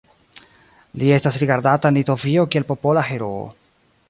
Li estas rigardata en Litovio kiel Popola Heroo.